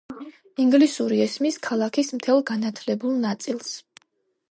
ინგლისური ესმის ქალაქის მთელ განათლებულ ნაწილს.